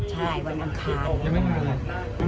ใช่วันนั้นคร้าม